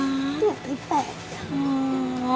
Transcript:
๑๐อีก๘ค่ะ